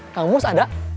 kang mus ada